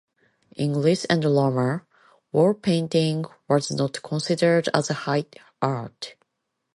In Greece and Rome, wall painting was not considered as high art.